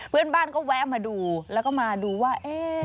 เพื่อนบ้านก็แวะมาดูแล้วก็มาดูว่า